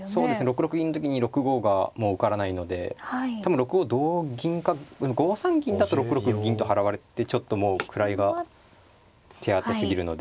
６六銀の時に６五がもう受からないので多分６五同銀か５三銀だと６六銀と払われてちょっともう位が手厚すぎるので。